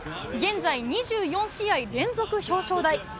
現在２４試合連続表彰台。